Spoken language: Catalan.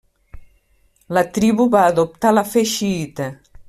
La tribu va adoptar la fe xiïta.